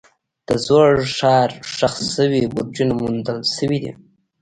د زوړ ښار ښخ شوي برجونه موندل شوي دي.